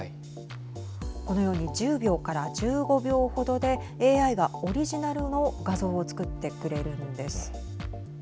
このように１０秒から１５秒程でＡＩがオリジナルの画像を作ってくれるんです。